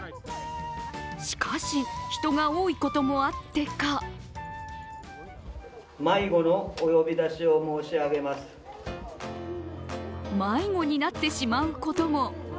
しかし、人が多いこともあってか迷子になってしまうことも。